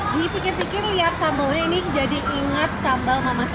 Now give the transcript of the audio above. dipikir pikir lihat sambalnya ini jadi ingat sambal mama saya